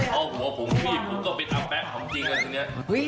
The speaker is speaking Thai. เอ้าหัวผมนี่มันก็น่ะ